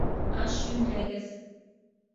Аш йүнләгеҙ.